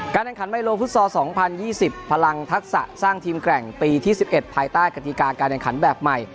แห่งขันไมโลฟุตซอล๒๐๒๐พลังทักษะสร้างทีมแกร่งปีที่๑๑ภายใต้กติกาการแข่งขันแบบใหม่